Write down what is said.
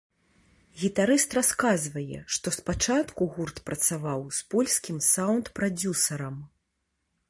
Гітарыст расказвае, што спачатку гурт працаваў з польскім саўнд-прадзюсарам.